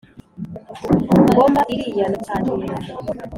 Ngoma iriya na Rutangira.